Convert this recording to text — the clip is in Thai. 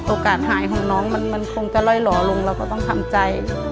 โอกาสหายของน้องมันคงจะล่อยหล่อลงเราก็ต้องทำใจ